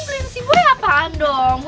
keren keren si boy apaan dong